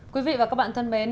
quý vị và các bạn thân mến